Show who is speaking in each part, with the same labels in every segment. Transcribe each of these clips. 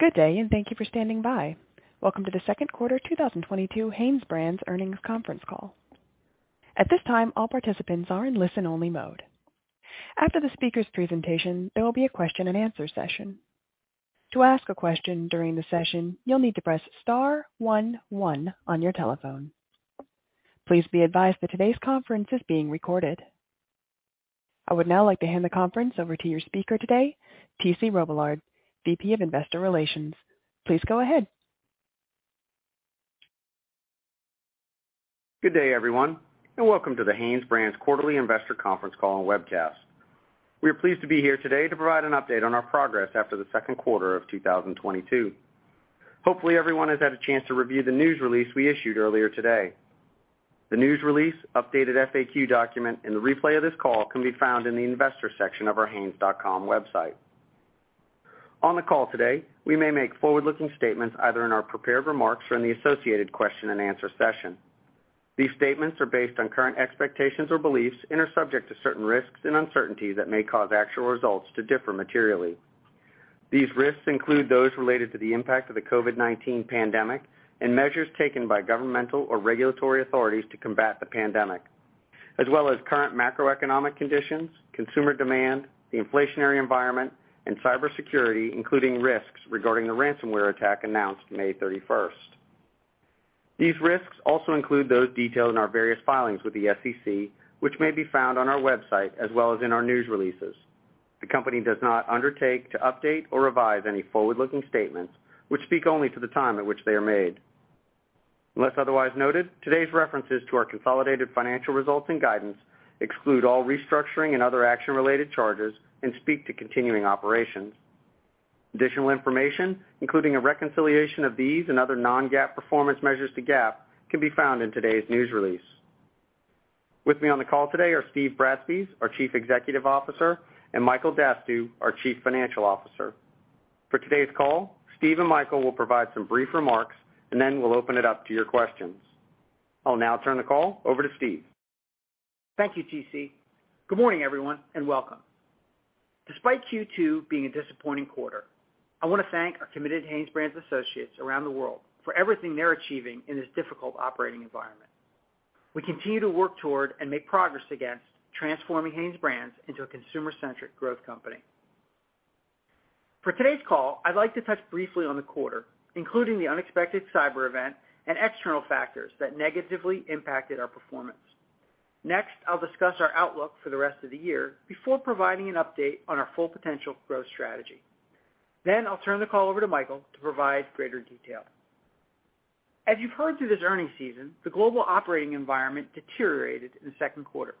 Speaker 1: Good day, and thank you for standing by. Welcome to the second quarter 2022 HanesBrands Earnings Conference Call. At this time, all participants are in listen-only mode. After the speaker's presentation, there will be a question-and-answer session. To ask a question during the session, you'll need to press star one-one on your telephone. Please be advised that today's conference is being recorded. I would now like to hand the conference over to your speaker today, T.C. Robillard, VP of Investor Relations. Please go ahead.
Speaker 2: Good day, everyone, and welcome to the HanesBrands quarterly investor conference call and webcast. We are pleased to be here today to provide an update on our progress after the second quarter of 2022. Hopefully, everyone has had a chance to review the news release we issued earlier today. The news release, updated FAQ document, and the replay of this call can be found in the investor section of our hanes.com website. On the call today, we may make forward-looking statements either in our prepared remarks or in the associated question-and-answer session. These statements are based on current expectations or beliefs and are subject to certain risks and uncertainties that may cause actual results to differ materially. These risks include those related to the impact of the COVID-19 pandemic and measures taken by governmental or regulatory authorities to combat the pandemic, as well as current macroeconomic conditions, consumer demand, the inflationary environment, and cybersecurity, including risks regarding the ransomware attack announced May 31st. These risks also include those detailed in our various filings with the SEC, which may be found on our website as well as in our news releases. The company does not undertake to update or revise any forward-looking statements, which speak only to the time at which they are made. Unless otherwise noted, today's references to our consolidated financial results and guidance exclude all restructuring and other action-related charges and speak to continuing operations. Additional information, including a reconciliation of these and other non-GAAP performance measures to GAAP, can be found in today's news release. With me on the call today are Steve Bratspies, our Chief Executive Officer, and Michael Dastugue, our Chief Financial Officer. For today's call, Steve and Michael will provide some brief remarks, and then we'll open it up to your questions. I'll now turn the call over to Steve.
Speaker 3: Thank you, T.C. Good morning, everyone, and welcome. Despite Q2 being a disappointing quarter, I wanna thank our committed HanesBrands associates around the world for everything they're achieving in this difficult operating environment. We continue to work toward and make progress against transforming HanesBrands into a consumer-centric growth company. For today's call, I'd like to touch briefly on the quarter, including the unexpected cyber event and external factors that negatively impacted our performance. Next, I'll discuss our outlook for the rest of the year before providing an update on our Full Potential growth strategy. Then I'll turn the call over to Michael to provide greater detail. As you've heard through this earnings season, the global operating environment deteriorated in the second quarter.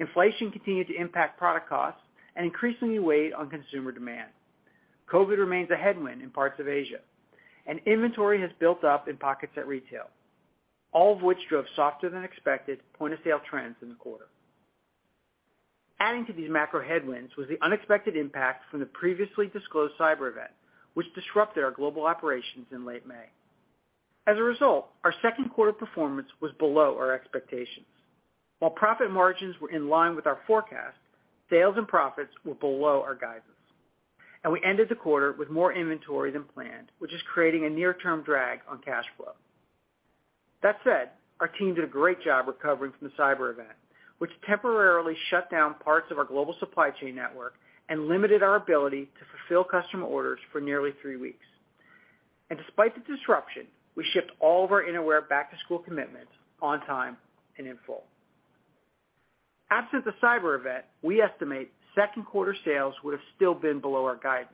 Speaker 3: Inflation continued to impact product costs and increasingly weighed on consumer demand. COVID remains a headwind in parts of Asia, and inventory has built up in pockets at retail, all of which drove softer than expected point-of-sale trends in the quarter. Adding to these macro headwinds was the unexpected impact from the previously disclosed cyber event, which disrupted our global operations in late May. As a result, our second quarter performance was below our expectations. While profit margins were in line with our forecast, sales and profits were below our guidance. We ended the quarter with more inventory than planned, which is creating a near-term drag on cash flow. That said, our team did a great job recovering from the cyber event, which temporarily shut down parts of our global supply chain network and limited our ability to fulfill customer orders for nearly three weeks. Despite the disruption, we shipped all of our Innerwear back-to-school commitments on time and in full. Absent the cyber event, we estimate second quarter sales would have still been below our guidance.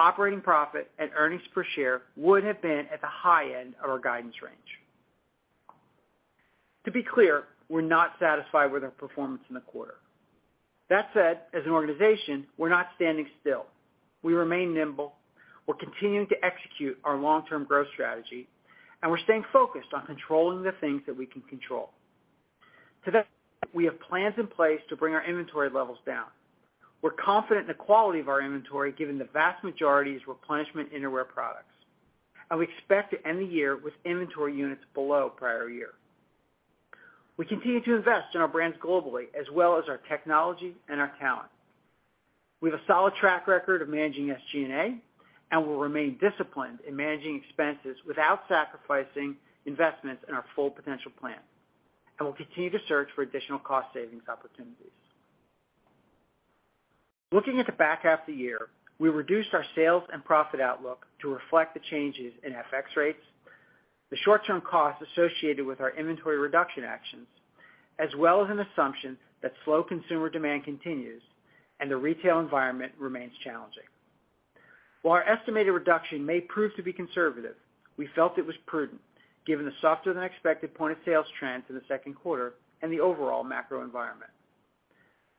Speaker 3: However, operating profit and earnings per share would have been at the high end of our guidance range. To be clear, we're not satisfied with our performance in the quarter. That said, as an organization, we're not standing still. We remain nimble. We're continuing to execute our long-term growth strategy, and we're staying focused on controlling the things that we can control. To that, we have plans in place to bring our inventory levels down. We're confident in the quality of our inventory, given the vast majority is replenishment Innerwear products, and we expect to end the year with inventory units below prior year. We continue to invest in our brands globally as well as our technology and our talent. We have a solid track record of managing SG&A, and we'll remain disciplined in managing expenses without sacrificing investments in our Full Potential plan. We'll continue to search for additional cost savings opportunities. Looking at the back half of the year, we reduced our sales and profit outlook to reflect the changes in FX rates, the short-term costs associated with our inventory reduction actions, as well as an assumption that slow consumer demand continues and the retail environment remains challenging. While our estimated reduction may prove to be conservative, we felt it was prudent given the softer than expected point-of-sale trends in the second quarter and the overall macro environment.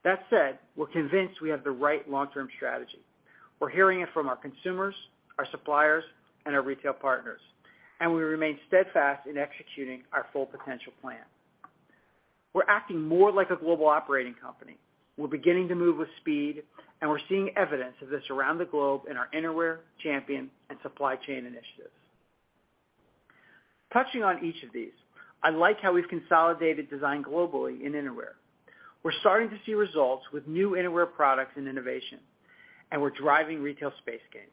Speaker 3: That said, we're convinced we have the right long-term strategy. We're hearing it from our consumers, our suppliers, and our retail partners, and we remain steadfast in executing our Full Potential plan. We're acting more like a global operating company. We're beginning to move with speed, and we're seeing evidence of this around the globe in our Innerwear, Champion, and supply chain initiatives. Touching on each of these, I like how we've consolidated design globally in Innerwear. We're starting to see results with new Innerwear products and innovation, and we're driving retail space gains.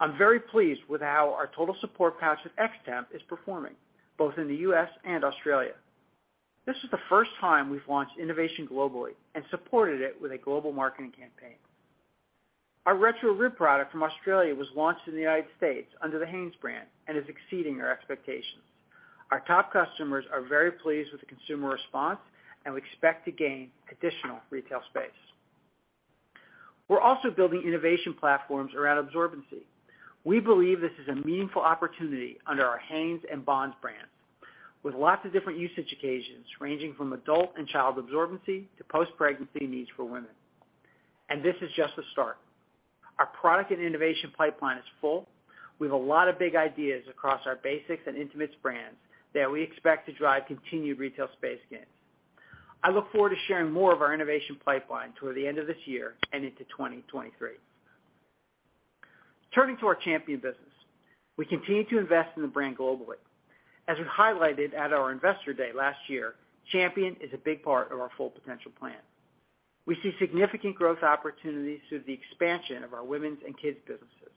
Speaker 3: I'm very pleased with how our Total Support Pouch with X-Temp is performing, both in the U.S. and Australia. This is the first time we've launched innovation globally and supported it with a global marketing campaign. Our Retro Rib product from Australia was launched in the United States under the Hanes brand, and is exceeding our expectations. Our top customers are very pleased with the consumer response, and we expect to gain additional retail space. We're also building innovation platforms around absorbency. We believe this is a meaningful opportunity under our Hanes and Bonds brands, with lots of different usage occasions, ranging from adult and child absorbency to post-pregnancy needs for women. This is just the start. Our product and innovation pipeline is full. We have a lot of big ideas across our basics and intimates brands that we expect to drive continued retail space gains. I look forward to sharing more of our innovation pipeline toward the end of this year and into 2023. Turning to our Champion business. We continue to invest in the brand globally. As we highlighted at our Investor Day last year, Champion is a big part of our Full Potential plan. We see significant growth opportunities through the expansion of our women's and kids' businesses,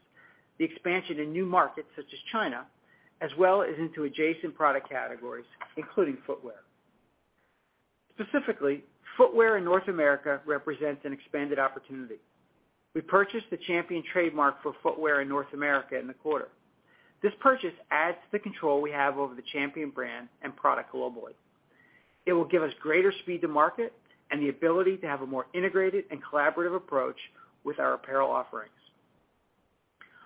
Speaker 3: the expansion in new markets such as China, as well as into adjacent product categories, including footwear. Specifically, footwear in North America represents an expanded opportunity. We purchased the Champion trademark for footwear in North America in the quarter. This purchase adds to the control we have over the Champion brand and product globally. It will give us greater speed to market and the ability to have a more integrated and collaborative approach with our apparel offerings.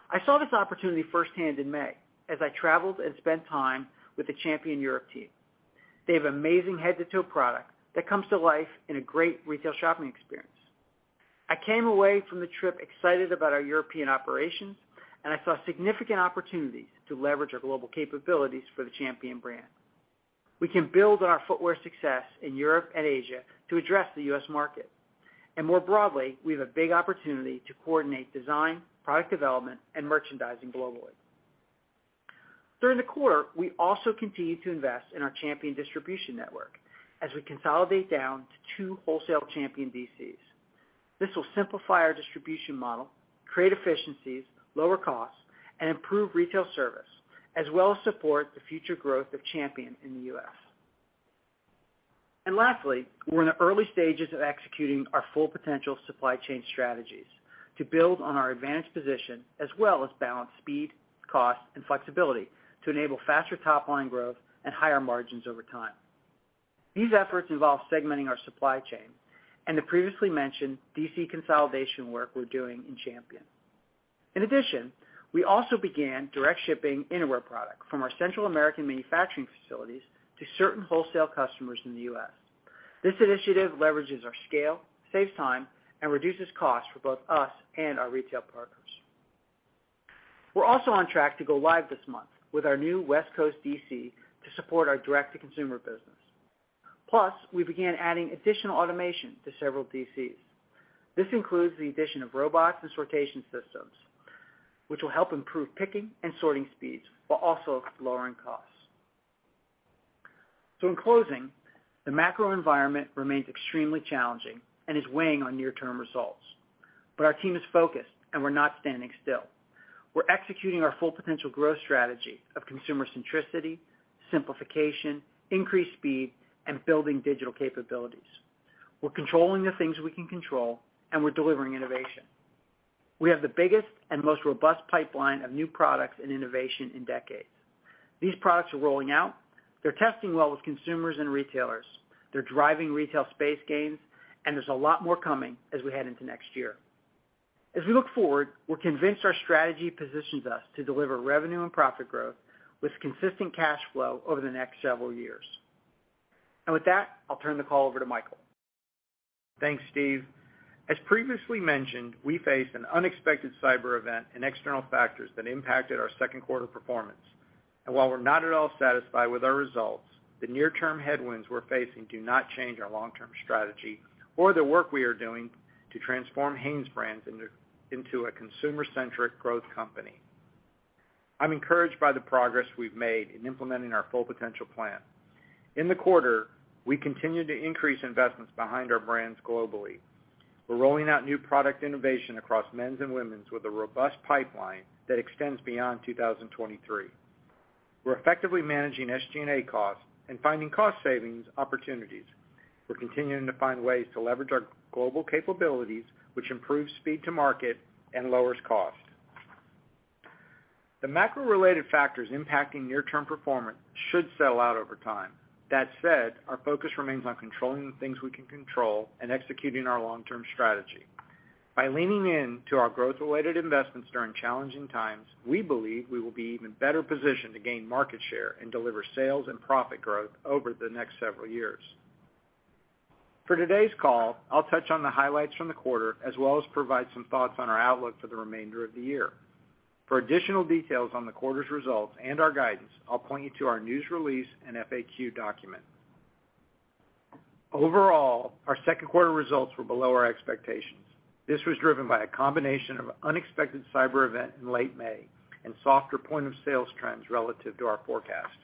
Speaker 3: I saw this opportunity firsthand in May as I traveled and spent time with the Champion Europe team. They have amazing head-to-toe product that comes to life in a great retail shopping experience. I came away from the trip excited about our European operations, and I saw significant opportunities to leverage our global capabilities for the Champion brand. We can build on our footwear success in Europe and Asia to address the U.S. market. More broadly, we have a big opportunity to coordinate design, product development, and merchandising globally. During the quarter, we also continued to invest in our Champion distribution network as we consolidate down to two wholesale Champion DCs. This will simplify our distribution model, create efficiencies, lower costs, and improve retail service, as well as support the future growth of Champion in the U.S. Lastly, we're in the early stages of executing our Full Potential supply chain strategies to build on our advanced position, as well as balance speed, cost, and flexibility to enable faster top line growth and higher margins over time. These efforts involve segmenting our supply chain and the previously mentioned DC consolidation work we're doing in Champion. In addition, we also began direct shipping Innerwear product from our Central American manufacturing facilities to certain wholesale customers in the U.S. This initiative leverages our scale, saves time, and reduces costs for both us and our retail partners. We're also on track to go live this month with our new West Coast DC to support our direct-to-consumer business. Plus, we began adding additional automation to several DCs. This includes the addition of robots and sortation systems, which will help improve picking and sorting speeds while also lowering costs. In closing, the macro environment remains extremely challenging and is weighing on near-term results. Our team is focused, and we're not standing still. We're executing our Full Potential growth strategy of consumer centricity, simplification, increased speed, and building digital capabilities. We're controlling the things we can control, and we're delivering innovation. We have the biggest and most robust pipeline of new products and innovation in decades. These products are rolling out. They're testing well with consumers and retailers. They're driving retail space gains, and there's a lot more coming as we head into next year. As we look forward, we're convinced our strategy positions us to deliver revenue and profit growth with consistent cash flow over the next several years. With that, I'll turn the call over to Michael.
Speaker 4: Thanks, Steve. As previously mentioned, we faced an unexpected cyber event and external factors that impacted our second quarter performance. While we're not at all satisfied with our results, the near-term headwinds we're facing do not change our long-term strategy or the work we are doing to transform HanesBrands into a consumer-centric growth company. I'm encouraged by the progress we've made in implementing our Full Potential plan. In the quarter, we continued to increase investments behind our brands globally. We're rolling out new product innovation across men's and women's with a robust pipeline that extends beyond 2023. We're effectively managing SG&A costs and finding cost savings opportunities. We're continuing to find ways to leverage our global capabilities, which improves speed to market and lowers cost. The macro-related factors impacting near-term performance should sell out over time. That said, our focus remains on controlling the things we can control and executing our long-term strategy. By leaning into our growth-related investments during challenging times, we believe we will be even better positioned to gain market share and deliver sales and profit growth over the next several years. For today's call, I'll touch on the highlights from the quarter, as well as provide some thoughts on our outlook for the remainder of the year. For additional details on the quarter's results and our guidance, I'll point you to our news release and FAQ document. Overall, our second quarter results were below our expectations. This was driven by a combination of unexpected cyber event in late May and softer point-of-sale trends relative to our forecast.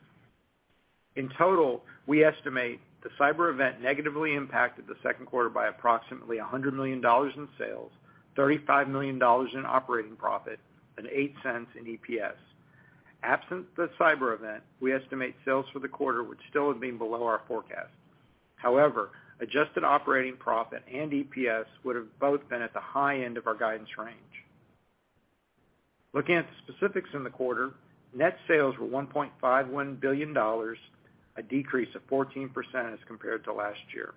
Speaker 4: In total, we estimate the cyber event negatively impacted the second quarter by approximately $100 million in sales, $35 million in operating profit, and $0.08 in EPS. Absent the cyber event, we estimate sales for the quarter would still have been below our forecast. However, adjusted operating profit and EPS would have both been at the high end of our guidance range. Looking at the specifics in the quarter, net sales were $1.51 billion, a decrease of 14% as compared to last year.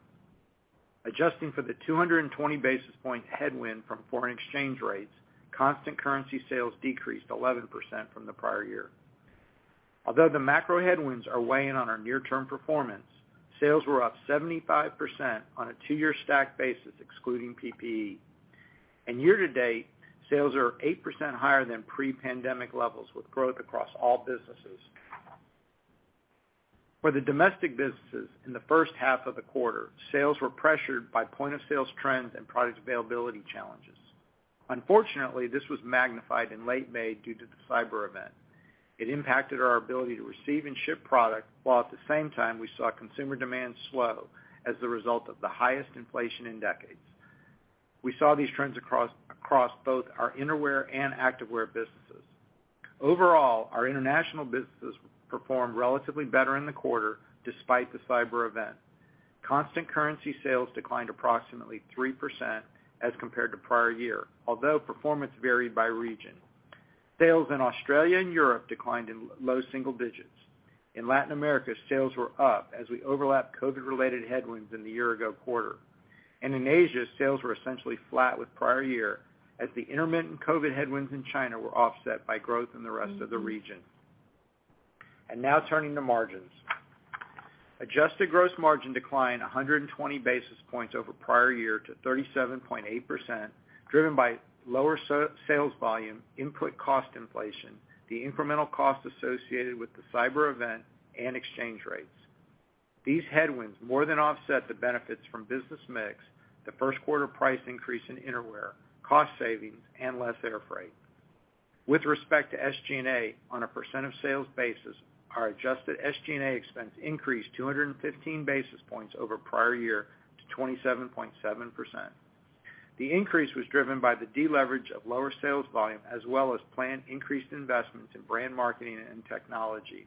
Speaker 4: Adjusting for the 220 basis point headwind from foreign exchange rates, constant currency sales decreased 11% from the prior year. Although the macro headwinds are weighing on our near-term performance, sales were up 75% on a two-year stack basis, excluding PPE. Year to date, sales are 8% higher than pre-pandemic levels, with growth across all businesses. For the domestic businesses in the first half of the quarter, sales were pressured by point-of-sale trends and product availability challenges. Unfortunately, this was magnified in late May due to the cyber event. It impacted our ability to receive and ship product, while at the same time we saw consumer demand slow as a result of the highest inflation in decades. We saw these trends across both our Innerwear and activewear businesses. Overall, our international businesses performed relatively better in the quarter despite the cyber event. Constant currency sales declined approximately 3% as compared to prior year, although performance varied by region. Sales in Australia and Europe declined in low single digits. In Latin America, sales were up as we overlapped COVID-19-related headwinds in the year ago quarter. In Asia, sales were essentially flat with prior year as the intermittent COVID headwinds in China were offset by growth in the rest of the region. Now turning to margins. Adjusted gross margin declined 100 basis points over prior year to 37.8%, driven by lower sales volume, input cost inflation, the incremental cost associated with the cyber event, and exchange rates. These headwinds more than offset the benefits from business mix, the first quarter price increase in innerwear, cost savings, and less air freight. With respect to SG&A, on a percent of sales basis, our adjusted SG&A expense increased 215 basis points over prior year to 27.7%. The increase was driven by the deleverage of lower sales volume as well as planned increased investments in brand marketing and technology.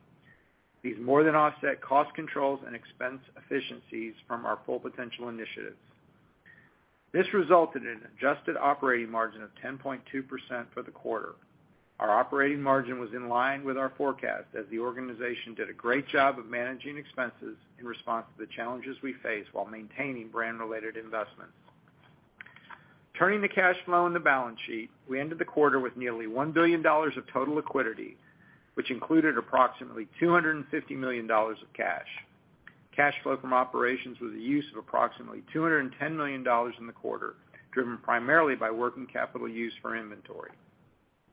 Speaker 4: These more than offset cost controls and expense efficiencies from our Full Potential initiatives. This resulted in an adjusted operating margin of 10.2% for the quarter. Our operating margin was in line with our forecast as the organization did a great job of managing expenses in response to the challenges we face while maintaining brand-related investments. Turning to cash flow in the balance sheet, we ended the quarter with nearly $1 billion of total liquidity, which included approximately $250 million of cash. Cash flow from operations with the use of approximately $210 million in the quarter, driven primarily by working capital use for inventory.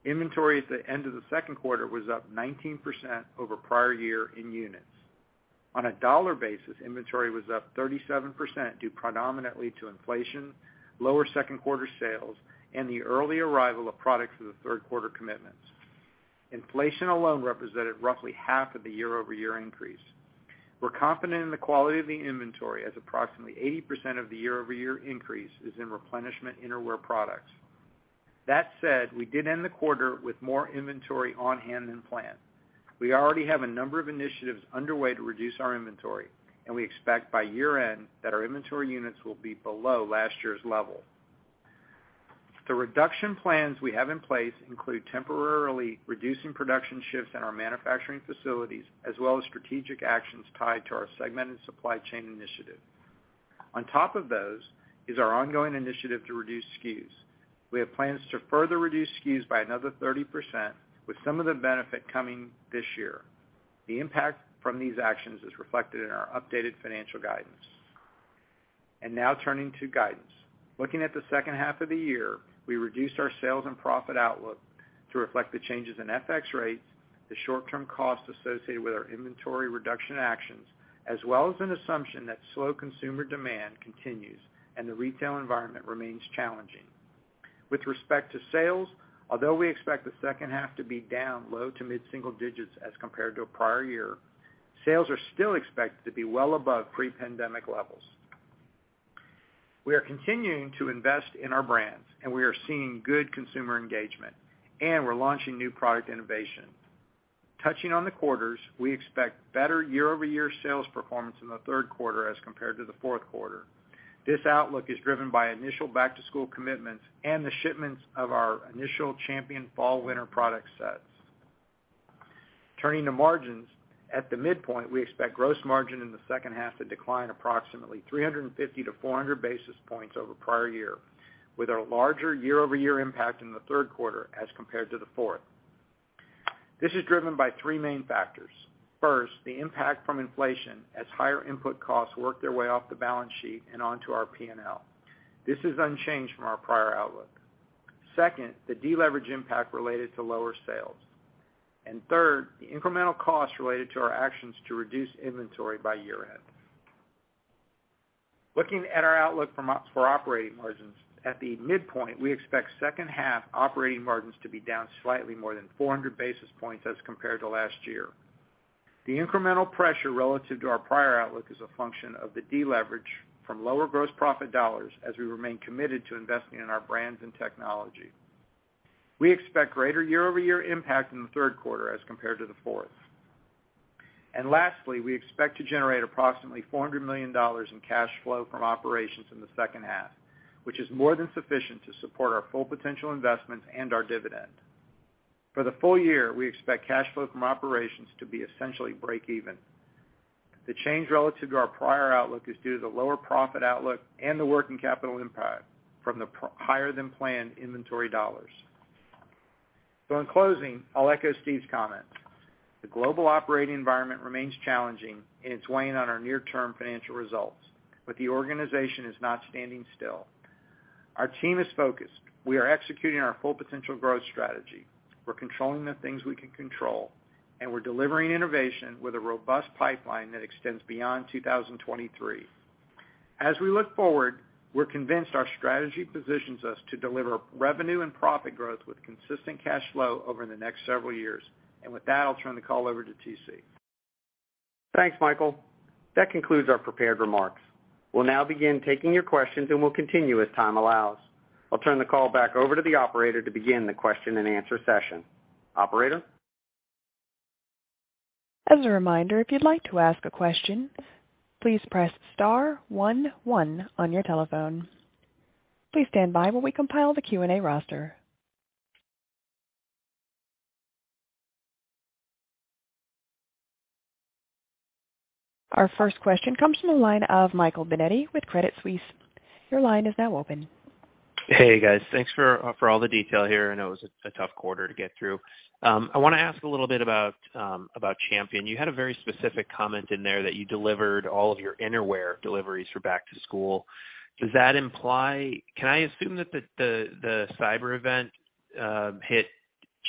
Speaker 4: Inventory at the end of the second quarter was up 19% over prior year in units. On a dollar basis, inventory was up 37% due predominantly to inflation, lower second quarter sales, and the early arrival of products for the third quarter commitments. Inflation alone represented roughly half of the year-over-year increase. We're confident in the quality of the inventory as approximately 80% of the year-over-year increase is in replenishment Innerwear products. That said, we did end the quarter with more inventory on hand than planned. We already have a number of initiatives underway to reduce our inventory, and we expect by year-end that our inventory units will be below last year's level. The reduction plans we have in place include temporarily reducing production shifts in our manufacturing facilities, as well as strategic actions tied to our segmented supply chain initiative. On top of those is our ongoing initiative to reduce SKUs. We have plans to further reduce SKUs by another 30% with some of the benefit coming this year. The impact from these actions is reflected in our updated financial guidance. Now turning to guidance. Looking at the second half of the year, we reduced our sales and profit outlook to reflect the changes in FX rates, the short term costs associated with our inventory reduction actions, as well as an assumption that slow consumer demand continues and the retail environment remains challenging. With respect to sales, although we expect the second half to be down low-to-mid-single digits% as compared to a prior year, sales are still expected to be well above pre-pandemic levels. We are continuing to invest in our brands, and we are seeing good consumer engagement, and we're launching new product innovation. Touching on the quarters, we expect better year-over-year sales performance in the third quarter as compared to the fourth quarter. This outlook is driven by initial back to school commitments and the shipments of our initial Champion fall winter product sets. Turning to margins, at the midpoint, we expect gross margin in the second half to decline approximately 350-400 basis points over prior year, with a larger year-over-year impact in the third quarter as compared to the fourth. This is driven by three main factors. First, the impact from inflation as higher input costs work their way off the balance sheet and onto our P&L. This is unchanged from our prior outlook. Second, the deleverage impact related to lower sales. Third, the incremental costs related to our actions to reduce inventory by year-end. Looking at our outlook for operating margins, at the midpoint, we expect second half operating margins to be down slightly more than 400 basis points as compared to last year. The incremental pressure relative to our prior outlook is a function of the deleverage from lower gross profit dollars as we remain committed to investing in our brands and technology. We expect greater year-over-year impact in the third quarter as compared to the fourth. Lastly, we expect to generate approximately $400 million in cash flow from operations in the second half, which is more than sufficient to support our Full Potential investments and our dividend. For the full year, we expect cash flow from operations to be essentially break even. The change relative to our prior outlook is due to the lower profit outlook and the working capital impact from the higher than planned inventory dollars. In closing, I'll echo Steve's comments. The global operating environment remains challenging, and it's weighing on our near-term financial results. The organization is not standing still. Our team is focused. We are executing our Full Potential growth strategy. We're controlling the things we can control, and we're delivering innovation with a robust pipeline that extends beyond 2023. As we look forward, we're convinced our strategy positions us to deliver revenue and profit growth with consistent cash flow over the next several years. With that, I'll turn the call over to T.C.
Speaker 2: Thanks, Michael. That concludes our prepared remarks. We'll now begin taking your questions, and we'll continue as time allows. I'll turn the call back over to the operator to begin the question-and-answer session. Operator?
Speaker 1: As a reminder, if you'd like to ask a question, please press star one-one on your telephone. Please stand by while we compile the Q&A roster. Our first question comes from the line of Michael Binetti with Credit Suisse. Your line is now open.
Speaker 5: Hey, guys. Thanks for all the detail here. I know it was a tough quarter to get through. I wanna ask a little bit about Champion. You had a very specific comment in there that you delivered all of your Innerwear deliveries for back to school. Does that imply, can I assume that the cyber event hit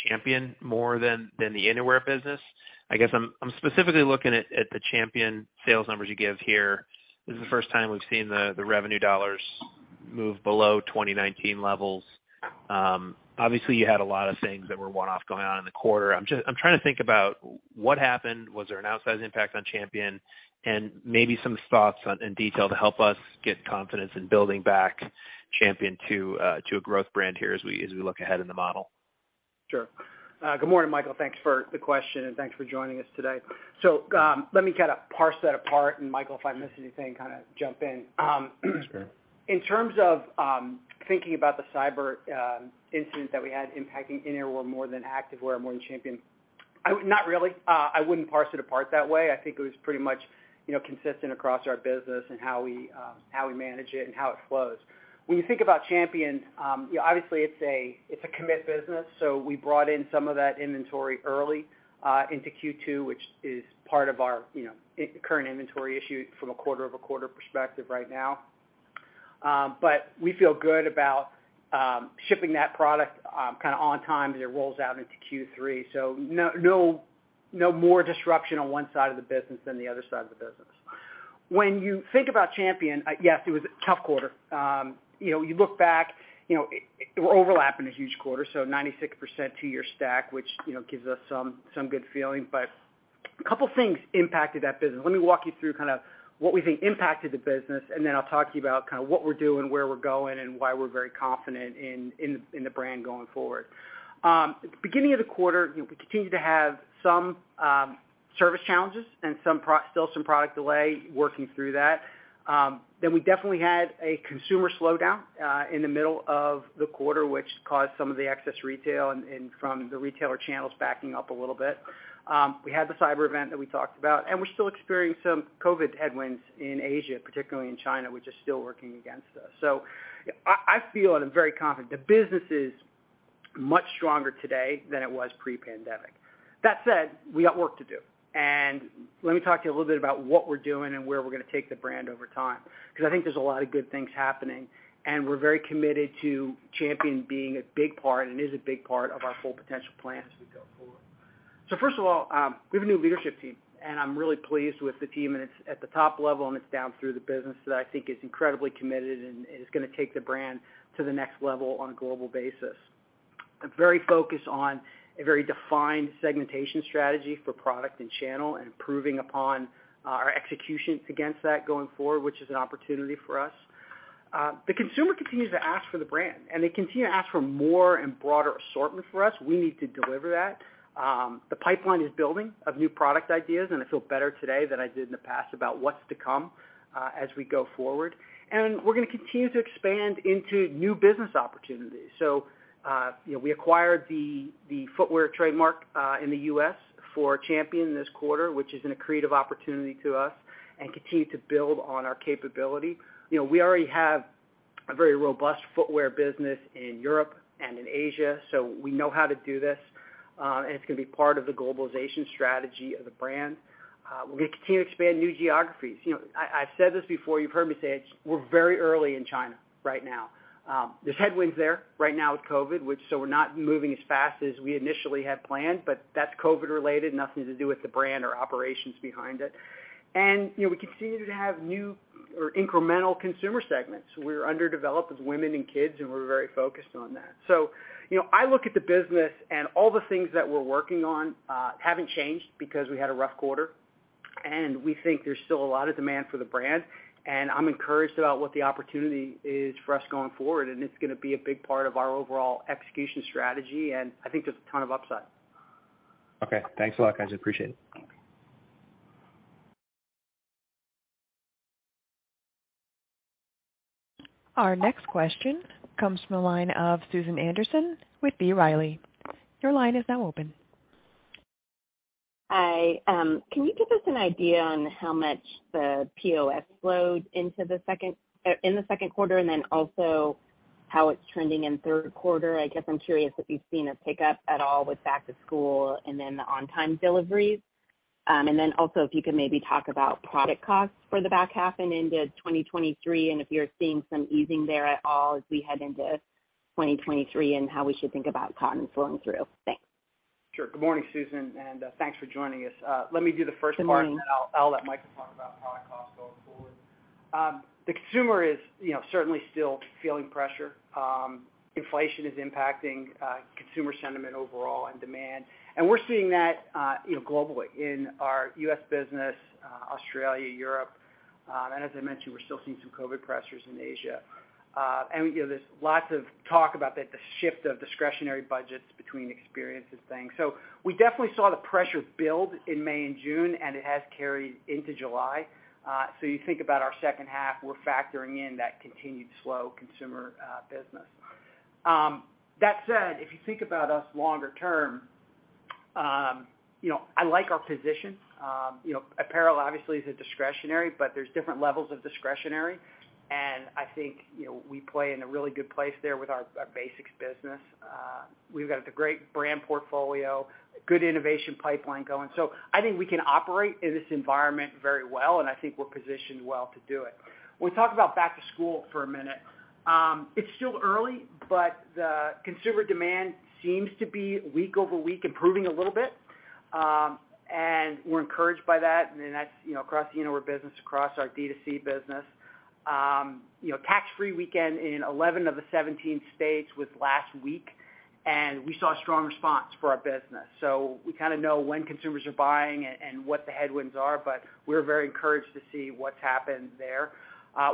Speaker 5: Champion more than the Innerwear business? I guess I'm specifically looking at the Champion sales numbers you give here. This is the first time we've seen the revenue dollars move below 2019 levels. Obviously, you had a lot of things that were one-off going on in the quarter. I'm trying to think about what happened, was there an outsized impact on Champion, and maybe some thoughts on and detail to help us get confidence in building back Champion to a growth brand here as we look ahead in the model.
Speaker 3: Sure. Good morning, Michael. Thanks for the question, and thanks for joining us today. Let me kinda parse that apart, and Michael, if I miss anything, kinda jump in.
Speaker 5: That's fair.
Speaker 3: In terms of thinking about the cyber incident that we had impacting Innerwear more than activewear more than Champion, I would not really. I wouldn't parse it apart that way. I think it was pretty much, you know, consistent across our business and how we manage it and how it flows. When you think about Champion, you know, obviously it's a committed business, so we brought in some of that inventory early into Q2, which is part of our, you know, current inventory issue from a quarter-over-quarter perspective right now. We feel good about shipping that product kinda on time as it rolls out into Q3. No more disruption on one side of the business than the other side of the business. When you think about Champion, yes, it was a tough quarter. You know, you look back, you know, it overlap in a huge quarter, so 96% two-year stack, which, you know, gives us some good feeling. A couple things impacted that business. Let me walk you through kind of what we think impacted the business, and then I'll talk to you about kinda what we're doing, where we're going, and why we're very confident in the brand going forward. At the beginning of the quarter, you know, we continued to have some service challenges and still some product delay working through that. We definitely had a consumer slowdown in the middle of the quarter, which caused some of the excess retail and from the retailer channels backing up a little bit. We had the cyber event that we talked about, and we're still experiencing some COVID headwinds in Asia, particularly in China, which is still working against us. I feel, and I'm very confident, the business is much stronger today than it was pre-pandemic. That said, we got work to do, and let me talk to you a little bit about what we're doing and where we're gonna take the brand over time, 'cause I think there's a lot of good things happening, and we're very committed to Champion being a big part, and is a big part of our Full Potential plan as we go forward. First of all, we have a new leadership team, and I'm really pleased with the team, and it's at the top level, and it's down through the business that I think is incredibly committed and is gonna take the brand to the next level on a global basis. I'm very focused on a very defined segmentation strategy for product and channel and improving upon our execution against that going forward, which is an opportunity for us. The consumer continues to ask for the brand, and they continue to ask for more and broader assortment from us. We need to deliver that. The pipeline is building of new product ideas, and I feel better today than I did in the past about what's to come as we go forward. We're gonna continue to expand into new business opportunities. You know, we acquired the footwear trademark in the U.S. for Champion this quarter, which is a great opportunity for us to continue to build on our capability. You know, we already have a very robust footwear business in Europe and in Asia, so we know how to do this, and it's gonna be part of the globalization strategy of the brand. We're gonna continue to expand new geographies. You know, I said this before, you've heard me say it, we're very early in China right now. There's headwinds there right now with COVID, so we're not moving as fast as we initially had planned, but that's COVID related, nothing to do with the brand or operations behind it. You know, we continue to have new or incremental consumer segments. We're underdeveloped with women and kids, and we're very focused on that. You know, I look at the business and all the things that we're working on, haven't changed because we had a rough quarter. We think there's still a lot of demand for the brand, and I'm encouraged about what the opportunity is for us going forward. It's gonna be a big part of our overall execution strategy, and I think there's a ton of upside.
Speaker 5: Okay. Thanks a lot, guys. Appreciate it.
Speaker 3: Okay.
Speaker 1: Our next question comes from the line of Susan Anderson with B. Riley. Your line is now open.
Speaker 6: Hi. Can you give us an idea on how much the POS flowed into the second quarter, and then also how it's trending in third quarter? I guess I'm curious if you've seen a pickup at all with back to school and then the on-time deliveries. Also if you could maybe talk about product costs for the back half and into 2023, and if you're seeing some easing there at all as we head into 2023 and how we should think about cotton flowing through. Thanks.
Speaker 3: Sure. Good morning, Susan, and thanks for joining us. Let me do the first part.
Speaker 6: Good morning.
Speaker 3: I'll let Mike talk about product costs going forward. The consumer is, you know, certainly still feeling pressure. Inflation is impacting consumer sentiment overall and demand. We're seeing that, you know, globally in our U.S. business, Australia, Europe. As I mentioned, we're still seeing some COVID pressures in Asia. You know, there's lots of talk about the shift of discretionary budgets between experiences and things. We definitely saw the pressure build in May and June, and it has carried into July. You think about our second half, we're factoring in that continued slow consumer business. That said, if you think about us longer term, you know, I like our position. You know, apparel obviously is a discretionary, but there's different levels of discretionary. I think, you know, we play in a really good place there with our basics business. We've got a great brand portfolio, good innovation pipeline going. I think we can operate in this environment very well, and I think we're positioned well to do it. We talked about back-to-school for a minute. It's still early, but the consumer demand seems to be week-over-week improving a little bit. We're encouraged by that. That's, you know, across the Innerwear business, across our D2C business. You know, tax-free weekend in 11 of the 17 states was last week, and we saw a strong response for our business. We kinda know when consumers are buying and what the headwinds are, but we're very encouraged to see what's happened there.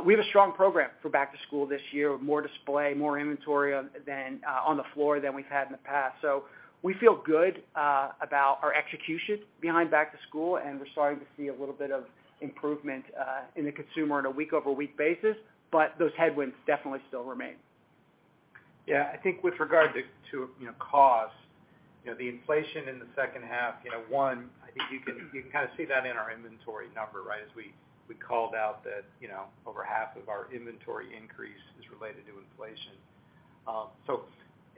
Speaker 3: We have a strong program for back to school this year with more display, more inventory on the floor than we've had in the past. We feel good about our execution behind back to school, and we're starting to see a little bit of improvement in the consumer on a week-over-week basis, but those headwinds definitely still remain.
Speaker 4: Yeah. I think with regard to, you know, cost, you know, the inflation in the second half, you know, I think you can kinda see that in our inventory number, right? As we called out that, you know, over half of our inventory increase is related to inflation.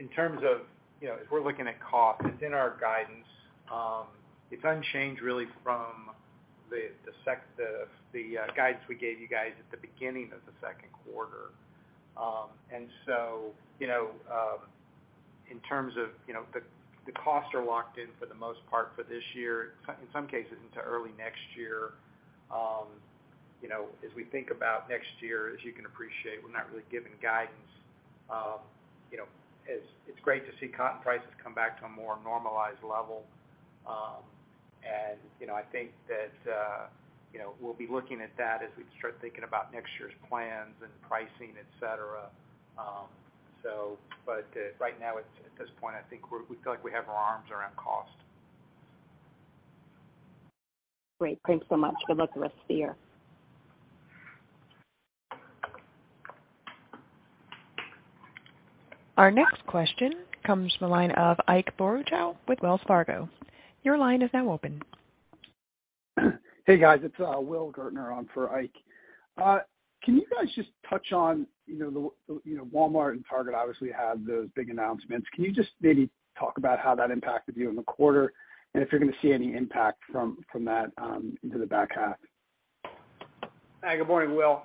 Speaker 4: In terms of, you know, as we're looking at cost, it's in our guidance. It's unchanged really from the guidance we gave you guys at the beginning of the second quarter. In terms of, you know, the costs are locked in for the most part for this year, in some cases into early next year. You know, as we think about next year, as you can appreciate, we're not really giving guidance. You know, it's great to see cotton prices come back to a more normalized level. You know, I think that you know, we'll be looking at that as we start thinking about next year's plans and pricing, et cetera. Right now at this point, I think we feel like we have our arms around cost.
Speaker 6: Great. Thanks so much. Good luck the rest of the year.
Speaker 1: Our next question comes from the line of Ike Boruchow with Wells Fargo. Your line is now open.
Speaker 7: Hey, guys. It's William Reuter on for Ike. Can you guys just touch on the Walmart and Target obviously had those big announcements. Can you just maybe talk about how that impacted you in the quarter, and if you're gonna see any impact from that into the back half?
Speaker 3: Hi, good morning, Will.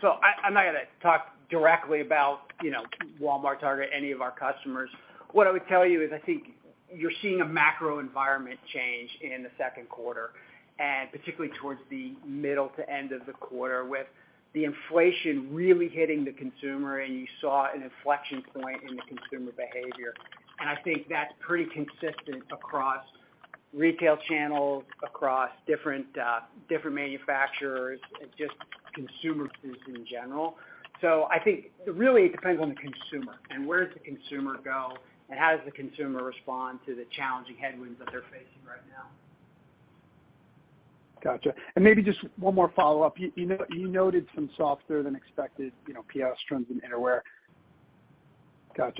Speaker 3: So I'm not gonna talk directly about, you know, Walmart, Target, any of our customers. What I would tell you is I think you're seeing a macro environment change in the second quarter, and particularly towards the middle to end of the quarter with the inflation really hitting the consumer and you saw an inflection point in the consumer behavior. I think that's pretty consistent across retail channels, across different manufacturers, just consumer goods in general. I think it really depends on the consumer and where does the consumer go and how does the consumer respond to the challenging headwinds that they're facing right now.
Speaker 7: Gotcha. Maybe just one more follow-up. You know, you noted some softer than expected, you know, POS trends in innerwear. Does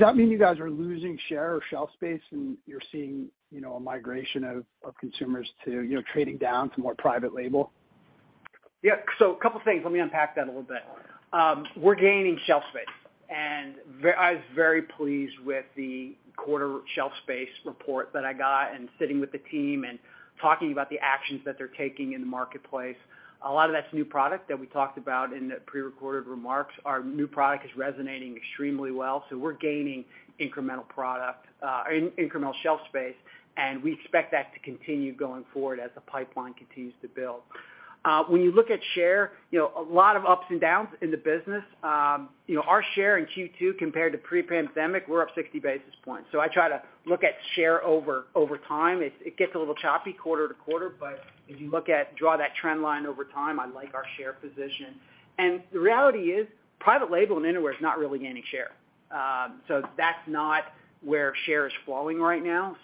Speaker 7: that mean you guys are losing share or shelf space, and you're seeing, you know, a migration of consumers to, you know, trading down to more private label?
Speaker 3: Yeah. So a couple of things. Let me unpack that a little bit. We're gaining shelf space. I was very pleased with the quarter shelf space report that I got and sitting with the team and talking about the actions that they're taking in the marketplace. A lot of that's new product that we talked about in the pre-recorded remarks. Our new product is resonating extremely well, so we're gaining incremental product, incremental shelf space, and we expect that to continue going forward as the pipeline continues to build. When you look at share, you know, a lot of ups and downs in the business. You know, our share in Q2 compared to pre-pandemic, we're up 60 basis points. I try to look at share over time, It gets a little choppy quarter to quarter, but if you look at draw that trend line over time, I like our share position. The reality is, private label and innerwear is not really gaining share. That's not where share is flowing right now.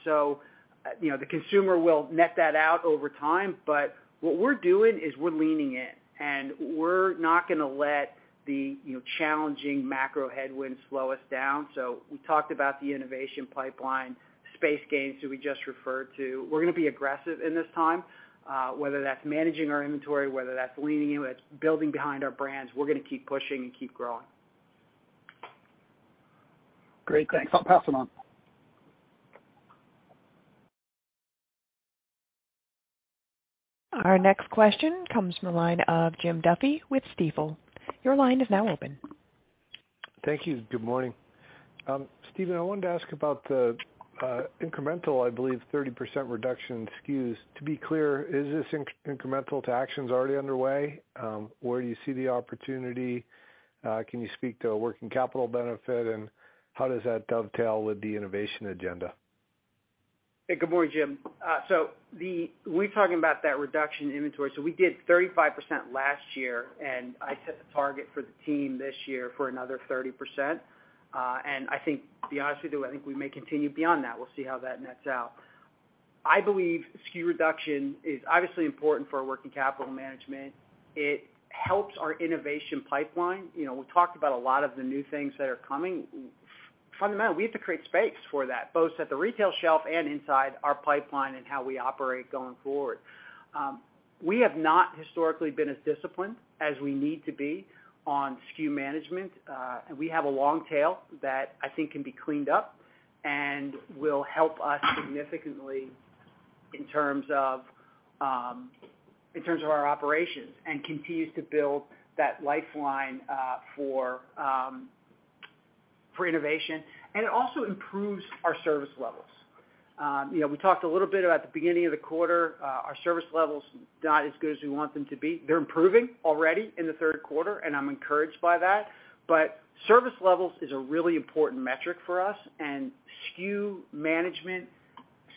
Speaker 3: You know, the consumer will net that out over time. What we're doing is we're leaning in and we're not gonna let the, you know, challenging macro headwinds slow us down. We talked about the innovation pipeline space gains that we just referred to. We're gonna be aggressive in this time, whether that's managing our inventory, whether that's leaning in, whether that's building behind our brands, we're gonna keep pushing and keep growing.
Speaker 7: Great. Thanks. I'll pass them on.
Speaker 1: Our next question comes from the line of Jim Duffy with Stifel. Your line is now open.
Speaker 8: Thank you. Good morning. Steve, I wanted to ask about the incremental, I believe, 30% reduction in SKUs. To be clear, is this incremental to actions already underway? Where do you see the opportunity? Can you speak to a working capital benefit, and how does that dovetail with the innovation agenda?
Speaker 3: Hey, good morning, Jim. We're talking about that reduction in inventory. We did 35% last year, and I set the target for the team this year for another 30%. I think, to be honest with you, I think we may continue beyond that. We'll see how that nets out. I believe SKU reduction is obviously important for our working capital management. It helps our innovation pipeline. You know, we've talked about a lot of the new things that are coming. Fundamentally, we have to create space for that, both at the retail shelf and inside our pipeline and how we operate going forward. We have not historically been as disciplined as we need to be on SKU management, and we have a long tail that I think can be cleaned up and will help us significantly in terms of our operations and continues to build that lifeline for innovation. It also improves our service levels. You know, we talked a little bit about at the beginning of the quarter, our service levels not as good as we want them to be. They're improving already in the third quarter, and I'm encouraged by that. Service levels is a really important metric for us, and SKU management,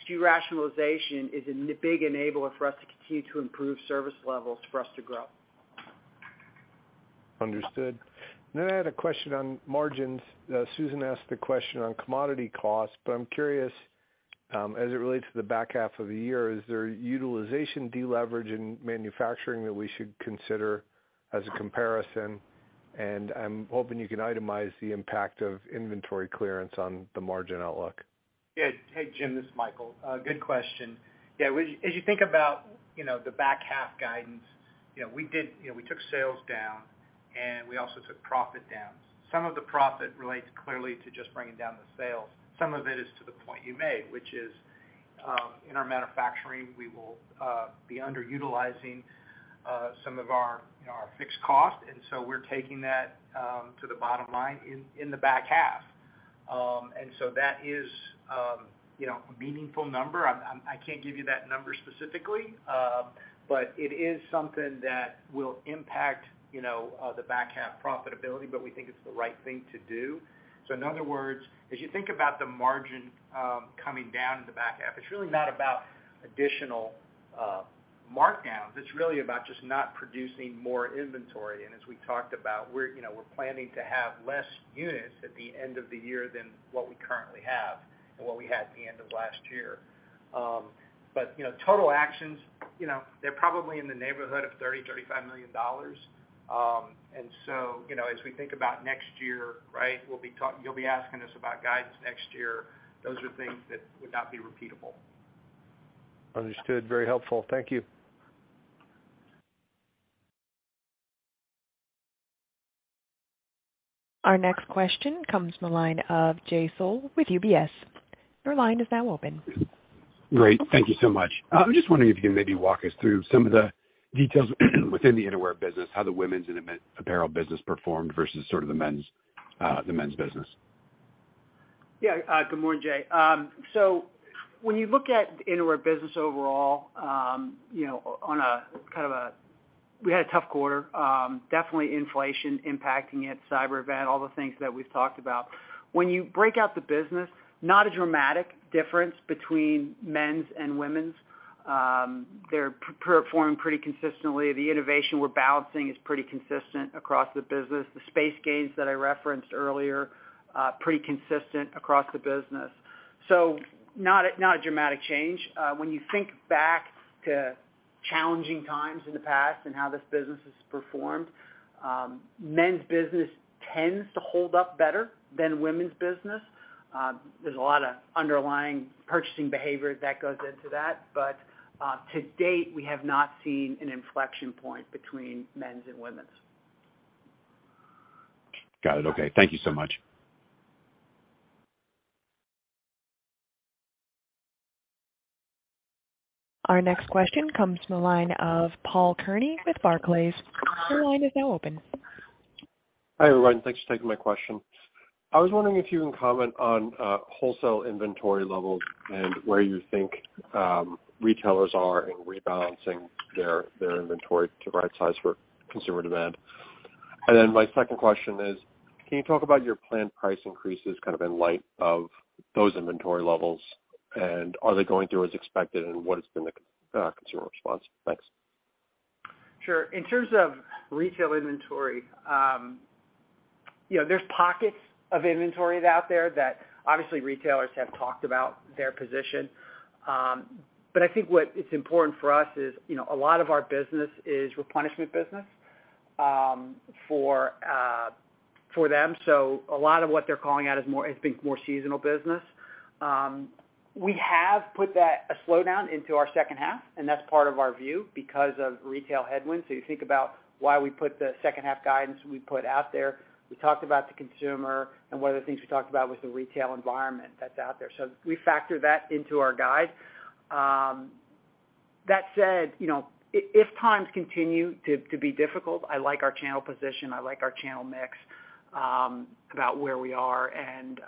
Speaker 3: SKU rationalization is a big enabler for us to continue to improve service levels for us to grow.
Speaker 8: Understood. Then I had a question on margins. Susan asked the question on commodity costs, but I'm curious, as it relates to the back half of the year, is there utilization deleverage in manufacturing that we should consider as a comparison? I'm hoping you can itemize the impact of inventory clearance on the margin outlook.
Speaker 4: Yeah. Hey, Jim, this is Michael. Good question. Yeah, as you think about, you know, the back half guidance, you know, we did, you know, we took sales down and we also took profit down. Some of the profit relates clearly to just bringing down the sales. Some of it is to the point you made, which is, in our manufacturing, we will be underutilizing some of our, you know, our fixed cost, and so we're taking that to the bottom line in the back half. That is, you know, a meaningful number. I can't give you that number specifically, but it is something that will impact, you know, the back half profitability, but we think it's the right thing to do. In other words, as you think about the margin coming down in the back half, it's really not about additional markdowns. It's really about just not producing more inventory. As we talked about, we're planning to have less units at the end of the year than what we currently have and what we had at the end of last year. Total actions, they're probably in the neighborhood of $30-$35 million. As we think about next year, right, you'll be asking us about guidance next year. Those are things that would not be repeatable.
Speaker 8: Understood. Very helpful. Thank you.
Speaker 1: Our next question comes from the line of Jay Sole with UBS. Your line is now open.
Speaker 9: Great. Thank you so much. I'm just wondering if you can maybe walk us through some of the details within the Innerwear business, how the women's and men's apparel business performed versus sort of the men's business.
Speaker 3: Yeah. Good morning, Jay. When you look at Innerwear business overall, you know, we had a tough quarter. Definitely inflation impacting it, cyber event, all the things that we've talked about. When you break out the business, not a dramatic difference between men's and women's. They're performing pretty consistently. The innovation we're balancing is pretty consistent across the business. The share gains that I referenced earlier, pretty consistent across the business. Not a dramatic change. When you think back to challenging times in the past and how this business has performed, men's business tends to hold up better than women's business. There's a lot of underlying purchasing behavior that goes into that. To date, we have not seen an inflection point between men's and women's.
Speaker 9: Got it. Okay. Thank you so much.
Speaker 1: Our next question comes from the line of Paul Kearney with Barclays. Your line is now open.
Speaker 10: Hi, everyone. Thanks for taking my question. I was wondering if you can comment on wholesale inventory levels and where you think retailers are in rebalancing their inventory to right size for consumer demand. My second question is, can you talk about your planned price increases kind of in light of those inventory levels, and are they going through as expected, and what has been the consumer response? Thanks.
Speaker 3: Sure. In terms of retail inventory, you know, there's pockets of inventories out there that obviously retailers have talked about their position. I think what is important for us is, you know, a lot of our business is replenishment business for them. A lot of what they're calling out has been more seasonal business. We have put that slowdown into our second half, and that's part of our view because of retail headwinds. You think about why we put the second half guidance we put out there. We talked about the consumer, and one of the things we talked about was the retail environment that's out there. We factor that into our guide. That said, you know, if times continue to be difficult, I like our channel position, I like our channel mix, about where we are and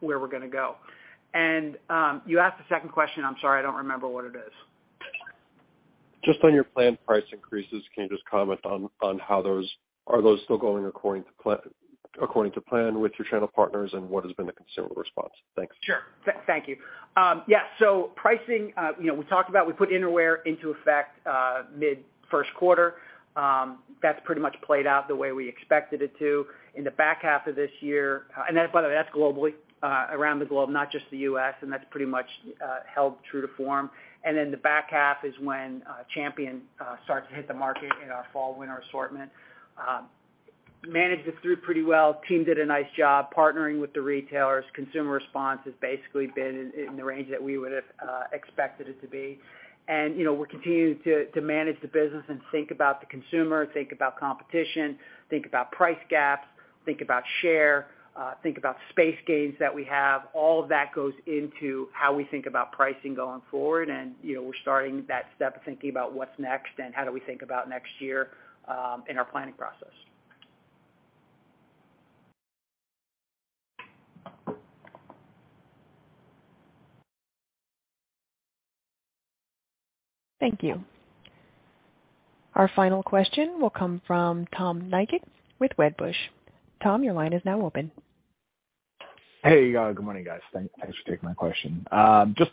Speaker 3: where we're gonna go. You asked a second question. I'm sorry, I don't remember what it is.
Speaker 10: Just on your planned price increases, can you just comment on how those are still going according to plan with your channel partners, and what has been the consumer response? Thanks.
Speaker 3: Sure. Thank you. Yeah, pricing, you know, we talked about we put Innerwear into effect mid-first quarter. That's pretty much played out the way we expected it to. In the back half of this year. Then by the way, that's globally, around the globe, not just the U.S., and that's pretty much held true to form. Then the back half is when Champion starts to hit the market in our fall/winter assortment. Managed this through pretty well. Team did a nice job partnering with the retailers. Consumer response has basically been in the range that we would have expected it to be. You know, we're continuing to manage the business and think about the consumer, think about competition, think about price gaps, think about share, think about space gains that we have. All of that goes into how we think about pricing going forward. You know, we're starting that step of thinking about what's next and how do we think about next year in our planning process.
Speaker 1: Thank you. Our final question will come from Tom Nikic with Wedbush. Tom, your line is now open.
Speaker 11: Hey, good morning, guys. Thanks for taking my question. Just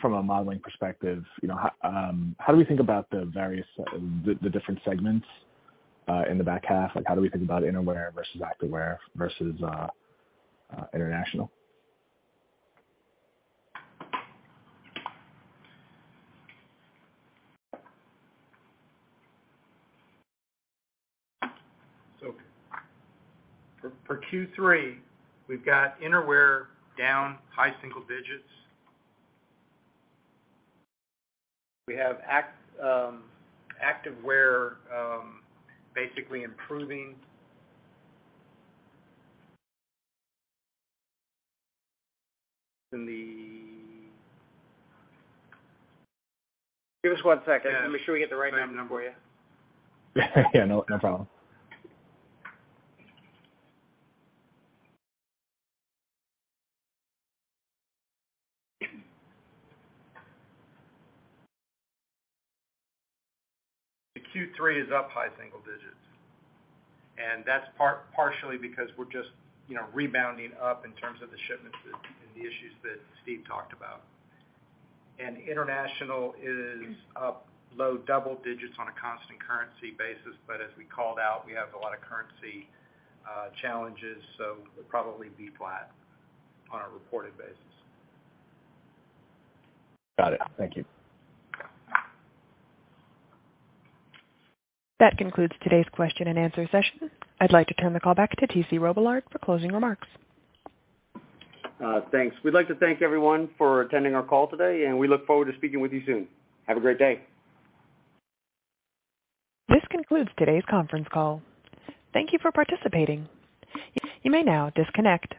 Speaker 11: from a modeling perspective, you know, how do we think about the different segments in the back half? Like, how do we think about Innerwear versus Activewear versus International?
Speaker 3: For Q3, we've got Innerwear down high single digits. We have Activewear basically improving. Give us one second. Let me make sure we get the right number for you.
Speaker 11: Yeah, no problem.
Speaker 4: Q3 is up high single digits, and that's partially because we're just, you know, rebounding up in terms of the shipments and the issues that Steve talked about. International is up low double digits on a constant currency basis, but as we called out, we have a lot of currency challenges, so we'll probably be flat on a reported basis.
Speaker 11: Got it. Thank you.
Speaker 1: That concludes today's question and answer session. I'd like to turn the call back to T.C. Robillard for closing remarks.
Speaker 2: Thanks. We'd like to thank everyone for attending our call today, and we look forward to speaking with you soon. Have a great day.
Speaker 1: This concludes today's conference call. Thank you for participating. You may now disconnect.